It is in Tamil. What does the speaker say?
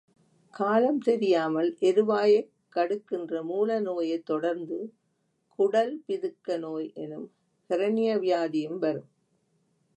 காலம் தெரியாமல் எருவாயைக் கடுக்கின்ற மூல நோயைத் தொடர்ந்து, குடள் பிதுக்க நோய் எனும் ஹெரண்யா வியாதியும் வரும்.